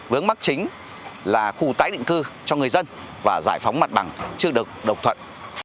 vướng mắt chính là khu tái định cư cho người dân và giải phóng mặt bằng trước độc thuận